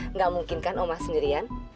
nggak mungkin kan omah sendirian